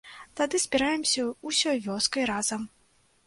Тады збіраемся ўсёй вёскай разам.